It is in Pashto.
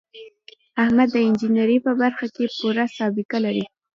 احمد د انجینرۍ په برخه کې پوره سابقه لري.